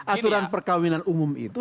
aturan perkawinan umum itu